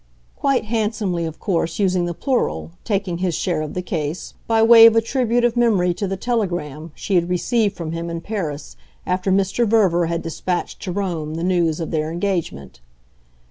quite handsomely of course using the plural, taking his share of the case, by way of a tribute of memory to the telegram she had received from him in Paris after Mr. Verver had despatched to Rome the news of their engagement.